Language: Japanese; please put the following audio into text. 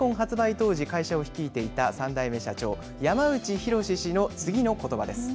当時、会社を率いていた３代目社長、山内溥氏の次のことばです。